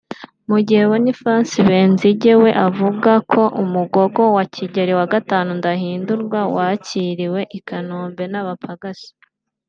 -Mu gihe Boniface Benzinge we avuga ko umugogo wa Kigeli V Ndahindurwa wakiriwe i Kanombe n’abapagasi